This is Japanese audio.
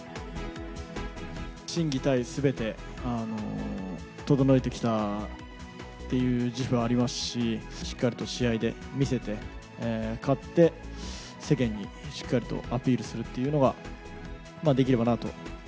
心技体すべて整えてきたっていう自負はありますし、しっかりと試合で見せて、勝って世間にしっかりとアピールするっていうのができればなと。